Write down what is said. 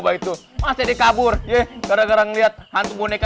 coba itu masih dikabur ragang lihat hantu boneka